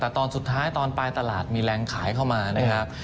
แต่ตอนสุดท้ายตอนปลายตลาดมีแรงขายเข้ามานะครับ